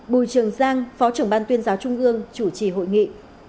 bùi trường giang phó trưởng ban tuyên giáo trung ương chủ trì hội nghị